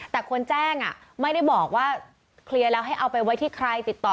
แต่คนแจ้งไม่ได้บอกว่าเคลียร์แล้วให้เอาไปไว้ที่ใครติดต่อ